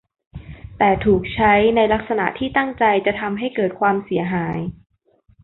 แต่ถูกใช้ในลักษณะที่ตั้งใจจะทำให้เกิดความเสียหาย